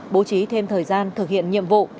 bố trí thêm thời gian thực hiện nhiệm vụ